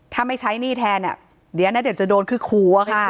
ถ้าไม่ใช้หนี้แทนเดี๋ยวนะเดี๋ยวจะโดนคือขู่อะค่ะ